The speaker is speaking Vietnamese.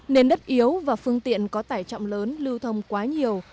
nền đất yếu và phương tiện có tải trọng lớn lưu thông quá nhiều